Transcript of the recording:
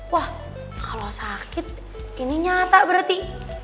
wah kalau sakit ini nyata berarti